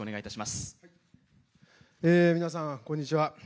皆さん、こんにちは。